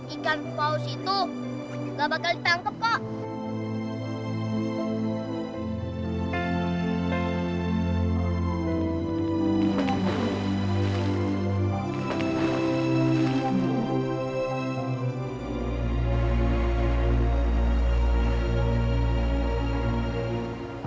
ikan paus itu gak bakal ditangkep kok